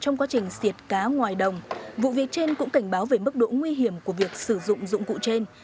từ vong do bất cẩn trong quá trình diệt cá ngoài đồng vụ việc trên cũng cảnh báo về mức độ nguy hiểm của việc sử dụng dụng cụ trên